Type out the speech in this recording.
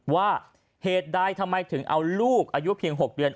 ว่าเหตุใดทำไมถึงเอาลูกอายุเพียง๖เดือน